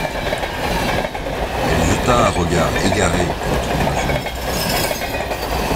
Elle jeta un regard égaré autour de la chambre.